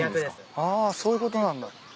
あそういうことなんだ。